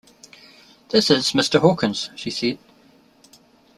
"This is Mr. Hawkins," she said.